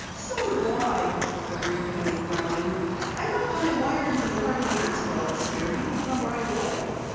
"So do I," agreed Penny, frowning. "I thought when I wired him that Harvey Maxwell was here he would come right away."